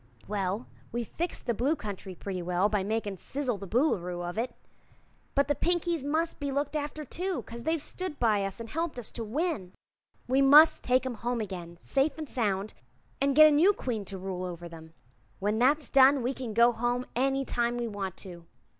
"Well, we've fixed the Blue Country pretty well, by makin' 'Sizzle the Boolooroo of it; but the Pinkies mus' be looked after, too, 'cause they've stood by us an' helped us to win. We must take 'em home again, safe an' sound, and get a new Queen to rule over 'em. When that's done we can go home any time we want to."